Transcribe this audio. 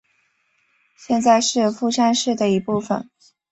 现在是富山市的一部分。